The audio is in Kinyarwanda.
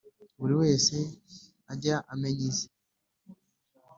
buri wese ajye amenya ize